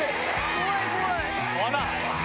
⁉怖い怖い！